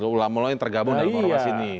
ulama ulama yang tergabung dalam ormas ini